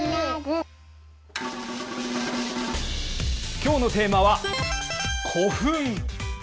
きょうのテーマは、古墳。